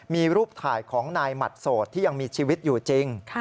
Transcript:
มีรูปถ่ายของนายหมัดโสดที่ยังมีชีวิตอยู่จริง